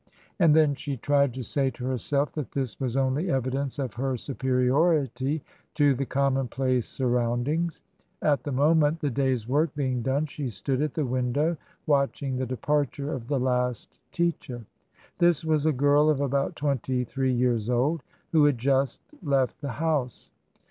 And then she tried to say to herself that this was only evidence of her superiority to the commonplace sur roundings. At the moment, the day's work being done, she stood at the window watching the departure of the last teacher. This was a girl of about twenty three years old, who had just left the house.